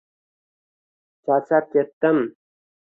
Charchab ketdim.